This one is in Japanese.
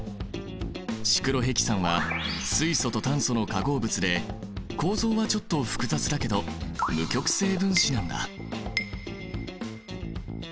シクロヘキサンは水素と炭素の化合物で構造はちょっと複雑だけど無極性分子なんだ。